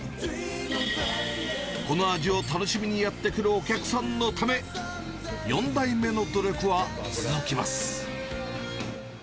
この味を楽しみにやって来るお客さんのため、４代目の努力は続きます。